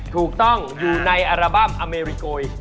ถูกต้องอยู่ในอัลบั้มอเมริโกย